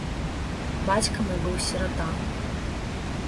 Бацька мой быў сірата.